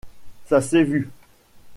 Ça s’est vu!